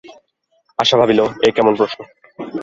আশা ভাবিল, এ কেমন প্রশ্ন।